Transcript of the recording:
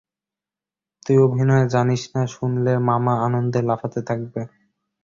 তুই অভিনয় জানিস না শুনলে মামা আনন্দে লাফাতে থাকবে।